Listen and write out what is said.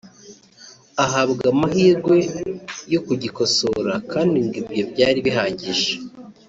ahabwa amahirwe yo kugikosora kandi ngo ibyo byari bihagije